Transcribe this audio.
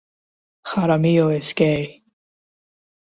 Jaramillo is gay.